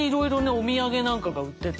お土産なんかが売ってて。